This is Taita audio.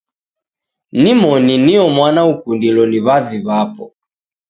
Nimoni nio mwana ukundilo ni w'avi w'apo.